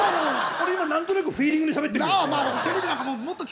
何となくフィーリングで今しゃべってる。